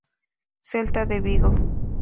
Celta de Vigo.